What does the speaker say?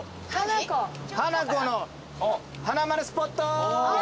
ハナコのはなまるスポットー！